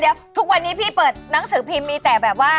เดี๋ยวทุกวันนี้พี่เปิดหนังสือพิมพ์มีแต่แบบว่า